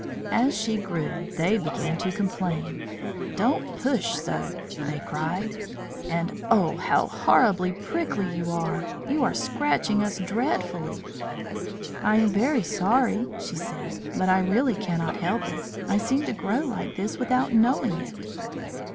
As she grew, they began to complain. "Don't push so," they cried. "And oh! how horribly prickly you are! You are scratching us dreadfully." "I am very sorry," she said, "but I really cannot help it. I seem to grow like this without knowing it."